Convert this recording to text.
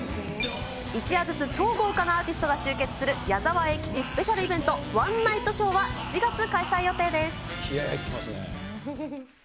一夜ずつ超豪華なアーティストが集結する、矢沢永吉スペシャルイベント、ワン・ナイト・ショーは７月開催予定です。